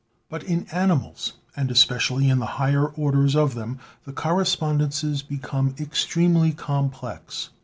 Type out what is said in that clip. But in animals, and especially in the higher orders of them, the correspondences become extremely complex.